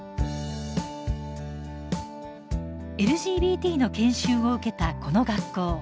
ＬＧＢＴの研修を受けたこの学校。